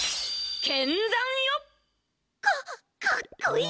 かっこいい！